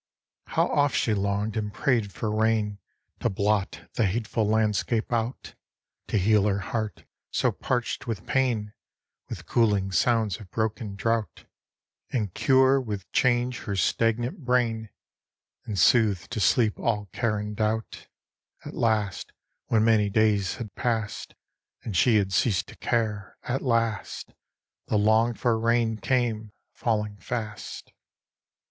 How oft she longed and prayed for rain, To blot the hateful landscape out! To heal her heart, so parched with pain, With cooling sounds of broken drought; And cure with change her stagnant brain, And soothe to sleep all care and doubt: At last when many days had passed And she had ceased to care at last The longed for rain came, falling fast.